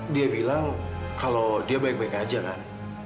dia bilang kalau dia baik baik aja kan